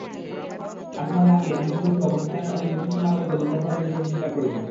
আসমা জাহাঙ্গীর, হামিদ মীরসহ পাকিস্তানের অনেক বিশিষ্ট নাগরিকও যুদ্ধাপরাধের বিষয়টি স্বীকার করেছেন।